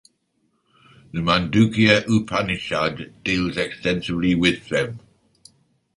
The Mandukya-Upanishad deals extensively with them.